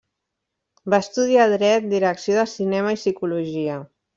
Va estudiar Dret, Direcció de cinema i Psicologia.